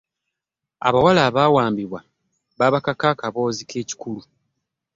Abawala abaawambibwa baabakaka akaboozi k'ekikulu.